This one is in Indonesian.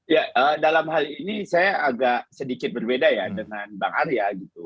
ya dalam hal ini saya agak sedikit berbeda ya dengan bang arya gitu